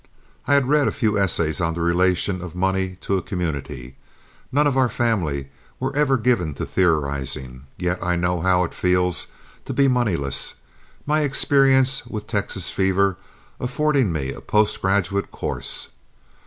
I have read a few essays on the relation of money to a community. None of our family were ever given to theorizing, yet I know how it feels to be moneyless, my experience with Texas fever affording me a post graduate course.